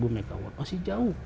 tujuh delapan mw masih jauh